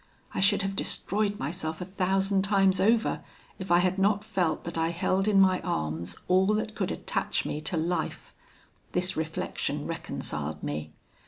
I should have destroyed myself a thousand times over, if I had not felt that I held in my arms all that could attach me to life: this reflection reconciled me.